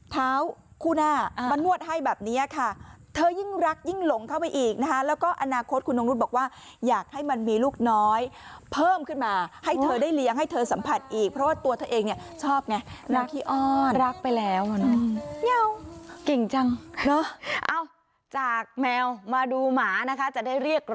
เท้าคู่หน้ามานวดให้แบบเนี้ยค่ะเธอยิ่งรักยิ่งหลงเข้าไปอีกนะฮะแล้วก็อนาคตคุณนงนุษย์บอกว่าอยากให้มันมีลูกน้อยเพิ่มขึ้นมาให้เธอได้เลี้ยงให้เธอสัมผัสอีกเพราะว่าตัวเธอเองเนี่ยชอบไง